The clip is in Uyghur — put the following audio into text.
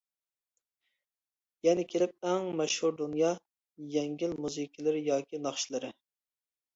يەنە كېلىپ ئەڭ مەشھۇر دۇنيا يەڭگىل مۇزىكىلىرى ياكى ناخشىلىرى.